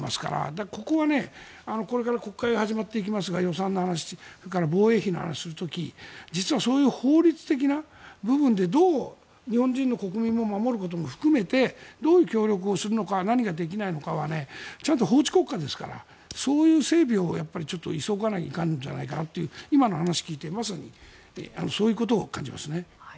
だから、ここはこれから国会が始まっていきますが予算の話それから防衛費の話をする時実は、そういう法律的な部分でどう日本人の国民を守ることも含めてどういう協力をするのか何ができないのかはちゃんと法治国家ですからそういう整備を急がないといけないと今の話を聞いて、まさにそういうことを感じますね。